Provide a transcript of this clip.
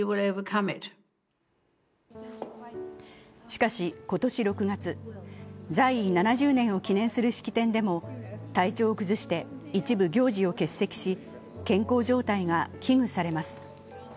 しかし今年６月、在位７０年を記念する式典でも体調を崩して一部行事を欠席し、健康状態が危惧されます。